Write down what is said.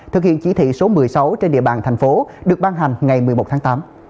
thực hiện chỉ thị số một mươi sáu trên địa bàn thành phố được ban hành ngày một mươi một tháng tám